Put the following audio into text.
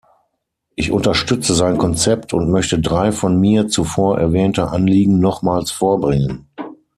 Ich unterstütze sein Konzept und möchte drei von mir zuvor erwähnte Anliegen nochmals vorbringen.